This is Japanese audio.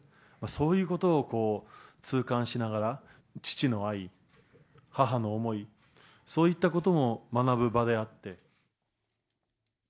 そういうことを痛感しながら、父の愛、母の思い、そういったことも学ぶ場であって。